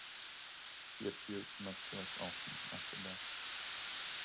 He appeared much less often after that.